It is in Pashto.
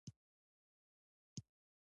هغه ته سرحدي ګاندي ویل کیده.